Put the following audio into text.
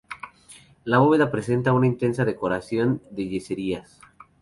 La bóveda presenta una intensa decoración de yeserías.